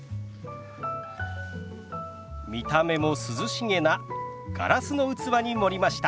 見た目も涼しげなガラスの器に盛りました。